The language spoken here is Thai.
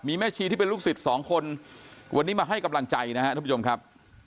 มีแม่ชีที่เป็นลูกศิษย์สองคนวันนี้มาให้กำลังใจนะครับทุกผู้ชมครับ